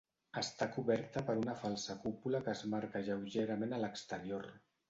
Està coberta per una falsa cúpula que es marca lleugerament a l'exterior.